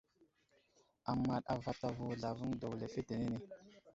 Amaɗ avatavo zlavaŋ daw lefetenene.